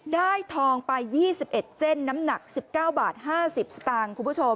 ได้ทองปลาย๒๑เจนน้ำหนัก๑๙บาท๕๐สตางค์คุณผู้ชม